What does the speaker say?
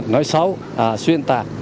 nói xấu xuyên tạc